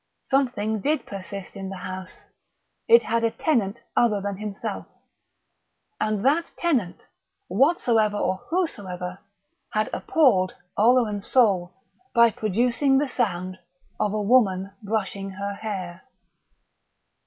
Something did persist in the house; it had a tenant other than himself; and that tenant, whatsoever or whosoever, had appalled Oleron's soul by producing the sound of a woman brushing her hair.